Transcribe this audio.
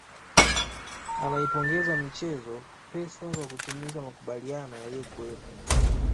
Anaipongeza mchezo Pesa kwa kutimiza makubaliano yaliyokuwepo